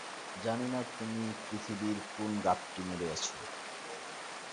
জানিনা তুমি পৃথিবীর কোন ঘাপটি মেরে আছো।